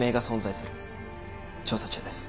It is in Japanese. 調査中です。